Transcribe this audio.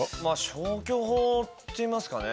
消去法って言いますかね。